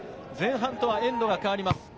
前半とはエンドが変わります。